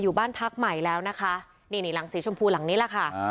อยู่บ้านพักใหม่แล้วนะคะนี่นี่หลังสีชมพูหลังนี้แหละค่ะ